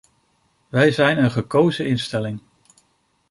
Wij zijn een gekozen instelling.